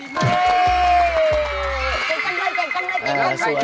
เฮ้ย